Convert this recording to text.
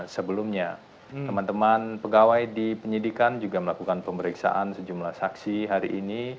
sebelumnya teman teman pegawai di penyidikan juga melakukan pemeriksaan sejumlah saksi hari ini